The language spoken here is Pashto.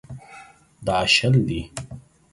دا شل دي.